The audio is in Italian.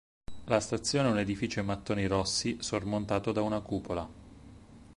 La stazione è un edificio in mattoni rossi, sormontato da una cupola.